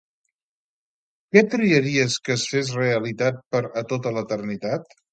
Què triaries que es fes realitat per a tota l'eternitat?